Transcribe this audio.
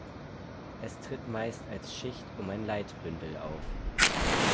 Es tritt meist als Schicht um ein Leitbündel auf.